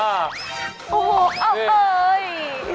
โอ้โฮเอ้ย